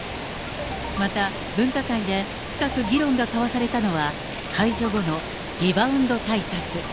また、分科会で深く議論が交わされたのは、解除後のリバウンド対策。